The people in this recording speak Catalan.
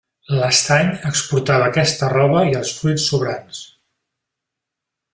L'Estany exportava aquesta roba i els fruits sobrants.